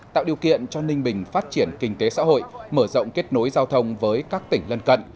tạo điều kiện cho ninh bình phát triển kinh tế xã hội mở rộng kết nối giao thông với các tỉnh lân cận